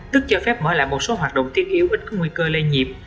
tức cho phép mở lại một số hoạt động thiết yếu ít có nguy cơ lây nhiễm